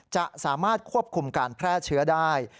จะสามารถควบคุมการแพร่เชื้อได้